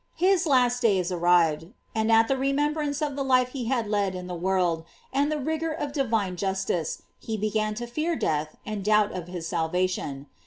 His last days arrived, and at the remem brance of the life he had led in the world, and the rigor of divine justice, he began to fear death and doubt of his salvation.